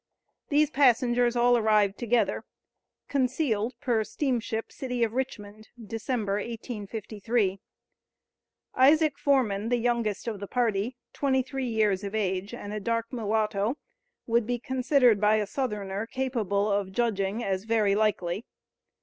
These passengers all arrived together, concealed, per steamship City of Richmond, December, 1853. Isaac Forman, the youngest of the party twenty three years of age and a dark mulatto would be considered by a Southerner capable of judging as "very likely."